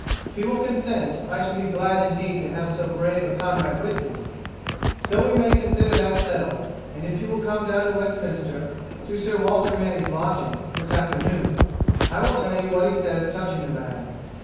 If he will consent I should be glad indeed to have so brave a comrade with me, so we may consider that settled, and if you will come down to Westminster, to Sir Walter Manny's lodging, this afternoon, I will tell you what he says touching the matter.